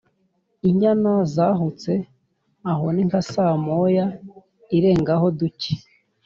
inyana zahutse (aho ni nka saa moya irengaho duke)